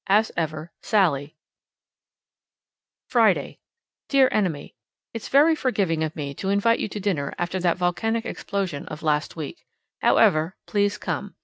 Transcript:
As ever, SALLIE. Friday. Dear Enemy: It's very forgiving of me to invite you to dinner after that volcanic explosion of last week. However, please come.